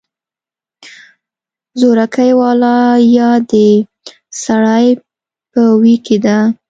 زورکۍ واله يا د سړۍ په ویي کې ده